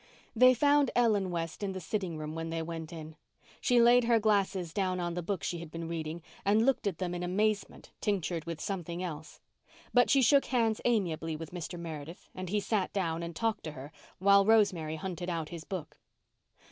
They found Ellen West in the sitting room when they went in. She laid her glasses down on the book she had been reading and looked at them in amazement tinctured with something else. But she shook hands amiably with Mr. Meredith and he sat down and talked to her, while Rosemary hunted out his book.